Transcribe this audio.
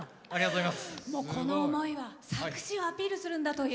この思いは佐久市をアピールするんだと。